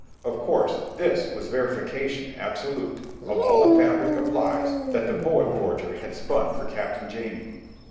Of course, this was verification absolute of all the fabric of lies that the poet forger had spun for Captain Jamie.